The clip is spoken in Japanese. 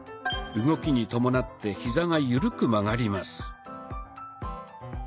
動きに伴ってヒザが緩く曲がります。